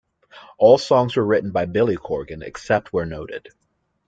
All songs were written by Billy Corgan, except where noted.